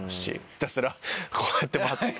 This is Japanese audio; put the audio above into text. ひたすらこうやって待って。